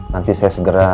nanti saya segera